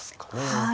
はい。